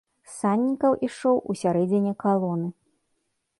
Саннікаў ішоў у сярэдзіне калоны.